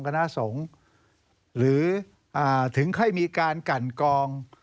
คณะสงฆ์หรือถึงค่อยมีการกันกอง